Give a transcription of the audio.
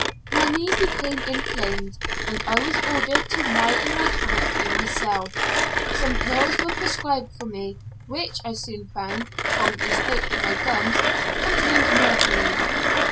My knee became inflamed, and I was ordered to lie in my hammock in my cell. Some pills were prescribed for me, which I soon found, from the state of my gums, contained mercury.